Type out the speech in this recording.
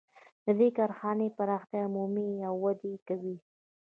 د دې کارخانې پراختیا مومي او وده کوي